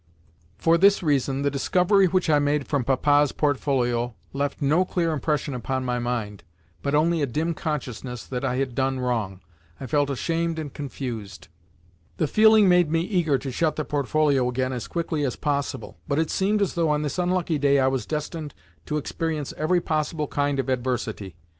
For this reason, the discovery which I made from Papa's portfolio left no clear impression upon my mind, but only a dim consciousness that I had done wrong. I felt ashamed and confused. The feeling made me eager to shut the portfolio again as quickly as possible, but it seemed as though on this unlucky day I was destined to experience every possible kind of adversity.